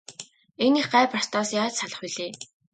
Энэ их гай барцдаас яаж салах билээ?